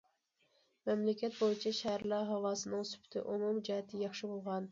مەملىكەت بويىچە شەھەرلەر ھاۋاسىنىڭ سۈپىتى ئومۇمىي جەھەتتىن ياخشى بولغان.